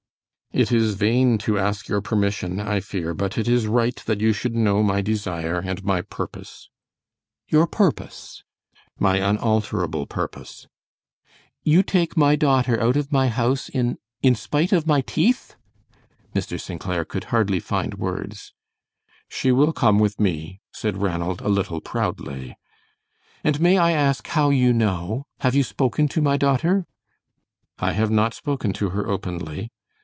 "It is vain to ask your permission, I fear, but it is right that you should know my desire and my purpose." "Your purpose?" "My unalterable purpose." "You take my daughter out of my house in in spite of my teeth?" Mr. St. Clair could hardly find words. "She will come with me," said Ranald, a little proudly. "And may I ask how you know? Have you spoken to my daughter?" "I have not spoken to her openly."